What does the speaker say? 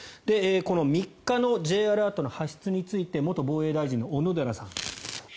この３日のＪアラートの発出について元防衛大臣の小野寺さん。